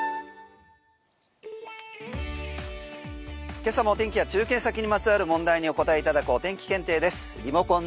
今朝も天気や中継先にまつわる問題にお答えいただくお天気検定です。